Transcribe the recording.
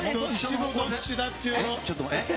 ちょっと待って。